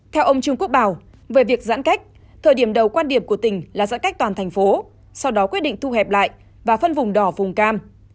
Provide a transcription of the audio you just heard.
theo ông trương quốc bảo về việc giãn cách thời điểm đầu quan điểm của tỉnh là giãn cách toàn thành phố sau đó quyết định thu hẹp lại và phân vùng đỏ vùng cam